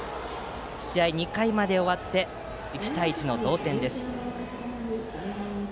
試合は２回まで終わって１対１の同点です。